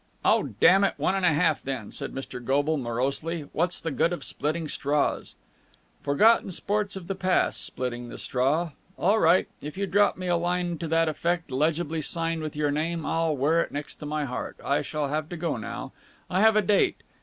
"Oh, damn it, one and a half, then," said Mr. Goble morosely. "What's the good of splitting straws?" "Forgotten Sports of the Past Splitting the Straw. All right. If you drop me a line to that effect, legibly signed with your name, I'll wear it next my heart. I shall have to go now. I have a date.